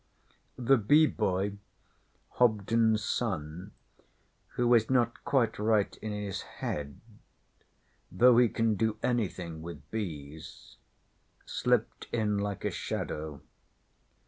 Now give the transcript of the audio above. The Bee Boy, Hobden's son, who is not quite right in his head, though he can do anything with bees, slipped in like a shadow.